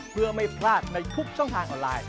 เพื่อไม่พลาดในทุกช่องทางออนไลน์